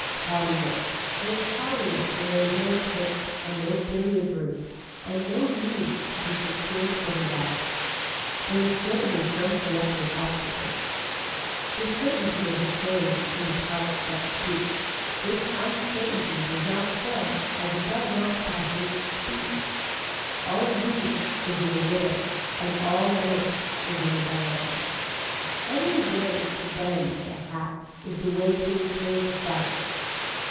Haughtiness, there is haughtiness when there is no tape and no billiard rooms and no need to be secured from wet. There is certainly some selected obstacles. The certainty of a change in the parts that speak, this uncertainty does not show as it does not fashion speech. All union is in the widow and all menace is in the band. Any way to bend the hat is the way to encourage vice.